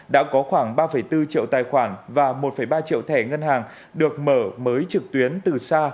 đã có khoảng ba bốn triệu tài khoản và một ba triệu thẻ ngân hàng được mở mới trực tuyến từ xa